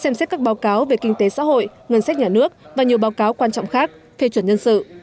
xem xét các báo cáo về kinh tế xã hội ngân sách nhà nước và nhiều báo cáo quan trọng khác phê chuẩn nhân sự